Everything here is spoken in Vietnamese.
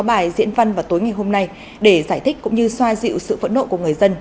bài diễn văn vào tối ngày hôm nay để giải thích cũng như xoa dịu sự phẫn nộ của người dân